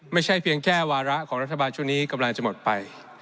ไม่ใช่เพียงแค่วาระของรัฐบาลชุดนี้กำลังจะหมดไป